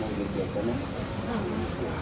เอาหน้ากากออกไหม